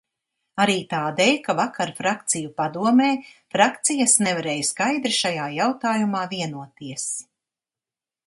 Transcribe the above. Arī tādēļ, ka vakar Frakciju padomē frakcijas nevarēja skaidri šajā jautājumā vienoties.